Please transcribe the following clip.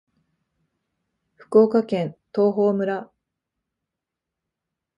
福岡県東峰村